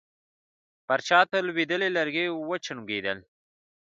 پر چت لوېدلي لرګي وچونګېدل.